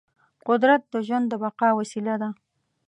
قدرت د ژوند د بقا وسیله ده.